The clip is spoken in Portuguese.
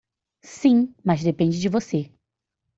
Sim, mas depende de você.